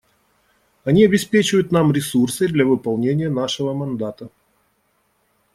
Они обеспечивают нам ресурсы для выполнения нашего мандата.